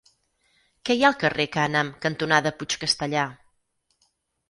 Què hi ha al carrer Cànem cantonada Puig Castellar?